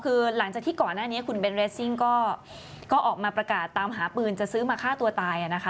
คือหลังจากที่ก่อนหน้านี้คุณเบนเรสซิ่งก็ออกมาประกาศตามหาปืนจะซื้อมาฆ่าตัวตายนะคะ